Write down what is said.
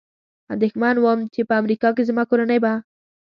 اندېښمن ووم، چې په امریکا کې زما کورنۍ به.